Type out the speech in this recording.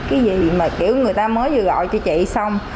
cái gì mà kiểu người ta mới vừa gọi cho chị xong